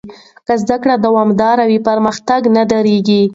که زده کړه دوامداره وي، پرمختګ نه درېږي.